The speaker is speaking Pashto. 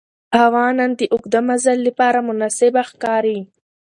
هوا نن د اوږده مزل لپاره مناسبه ښکاري